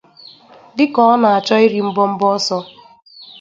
dịka ọ na-achọ iri mbọmbọ ọsọ